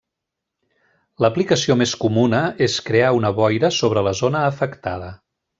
L’aplicació més comuna és crear una boira sobre la zona afectada.